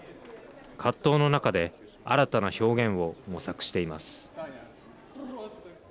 葛藤の中で新たな表現を模索しています。